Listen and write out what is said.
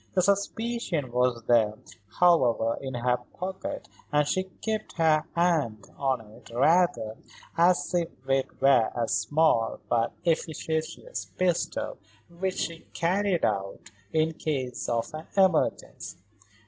The suspicion was there, however, in her pocket, and she kept her hand on it rather as if it were a small but efficacious pistol which she carried about in case of an emergency.